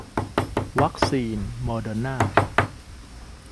วัคซีนโมเดอร์นา